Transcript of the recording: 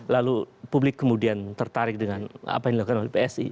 lalu publik kemudian tertarik dengan apa yang dilakukan oleh psi